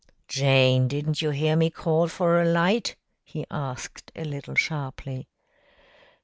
"Jane, didn't you hear me call for a light?" he asked a little sharply.